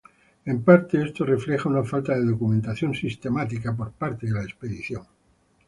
En parte, esto refleja una falta de documentación sistemática por parte de la expedición.